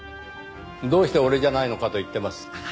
どうして俺じゃないのかと言ってます。